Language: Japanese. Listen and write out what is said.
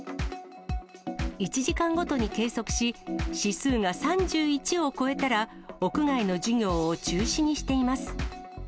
１時間ごとに計測し、指数が３１を超えたら、屋外の授業を中止にしています。